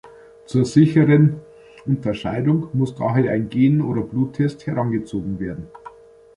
Zur sicheren Unterscheidung muss daher ein Gen- oder Bluttest herangezogen werden.